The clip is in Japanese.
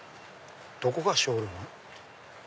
どこがショールーム？